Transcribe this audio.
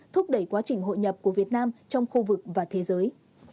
thúc đẩy quá trình hội nhập của việt nam trong khu vực và thế giới